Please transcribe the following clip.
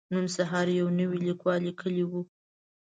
نن سهار يو نوي ليکوال ليکلي وو.